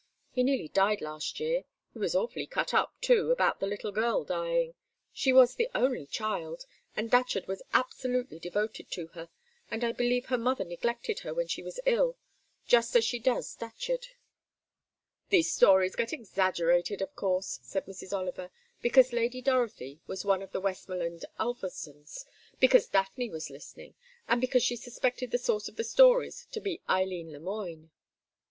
He nearly died last year; he was awfully cut up, too, about their little girl dying she was the only child, and Datcherd was absolutely devoted to her, and I believe her mother neglected her when she was ill, just as she does Datcherd." "These stories get exaggerated, of course," said Mrs. Oliver, because Lady Dorothy was one of the Westmorland Ulverstones, because Daphne was listening, and because she suspected the source of the stories to be Eileen Le Moine.